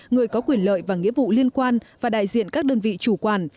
người có quyền lợi và nghĩa vụ liên quan và đại diện các đơn vị chủ quản